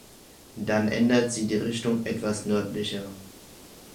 Dann ändert sie die Richtung etwas nördlicher.